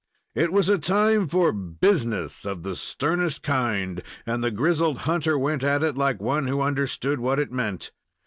It was a time for "business" of the sternest kind, and the grizzled hunter went at it like one who understood what it meant.